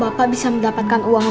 bapak bisa mencari keuntungan